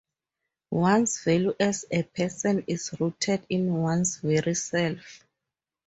One's value as a person is rooted in one's very self.